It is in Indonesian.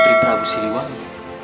putri prabu siliwangi